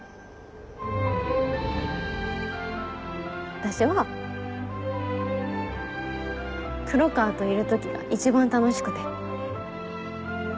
私は黒川といる時が一番楽しくて。